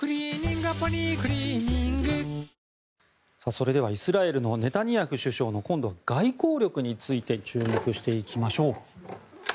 それではイスラエルのネタニヤフ首相の今度は外交力について注目していきましょう。